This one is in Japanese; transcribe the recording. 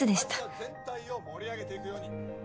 会社全体を盛り上げていくように。